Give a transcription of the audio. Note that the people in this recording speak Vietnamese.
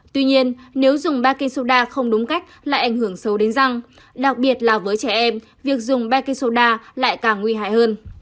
tuy nhiên nếu dùng baking soda không đúng cách lại ảnh hưởng sâu đến răng đặc biệt là với trẻ em việc dùng baking soda lại càng nguy hại hơn